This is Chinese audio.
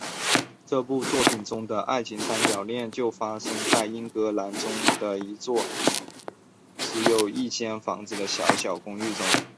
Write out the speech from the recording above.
这部作品中的爱情三角恋就发生在英格兰中部的一座只有一间房子的狭小公寓中。